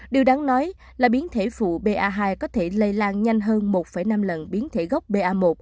điều đáng nói là biến thể phụ ba hai có thể lây lan nhanh hơn một năm lần biến thể gốc ba